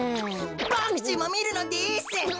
ボクちんもみるのです。